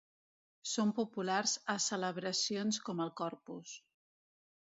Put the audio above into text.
Són populars a celebracions com el Corpus.